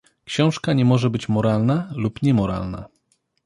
Książka nie może być moralna lub niemoralna.